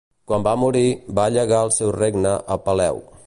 Quan va morir, va llegar el seu regne a Peleu.